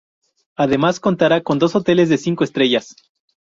Además, contará con dos hoteles de cinco estrellas.